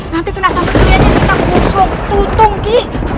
nanti kena sangkuliannya kita musuh tutung aki